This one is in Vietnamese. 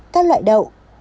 các loại đậu